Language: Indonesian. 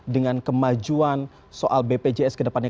dengan kemajuan soal bpjs kedepannya